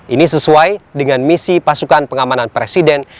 ini sesuai dengan misi pasukan pengamanan presiden